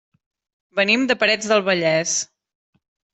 Venim de Parets del Vallès.